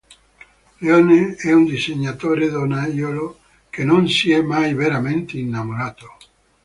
Leone è un disegnatore donnaiolo che non si è mai veramente innamorato.